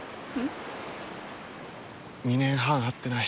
２年半会ってない。